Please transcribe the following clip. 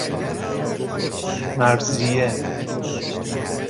مرضیه